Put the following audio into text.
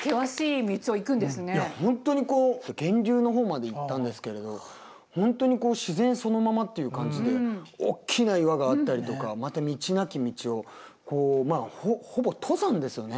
いや本当にこう源流の方まで行ったんですけれど本当に自然そのままっていう感じでおっきな岩があったりとかまた道なき道をまあほぼ登山ですよね。